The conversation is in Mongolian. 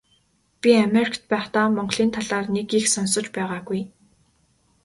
Би Америкт байхдаа Монголын талаар нэг их сонсож байгаагүй.